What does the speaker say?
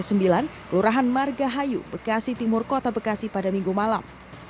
kelurahan margahayu bekasi timur kota bekasi pada minggu malam